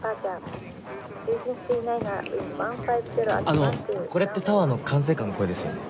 あのこれってタワーの管制官の声ですよね？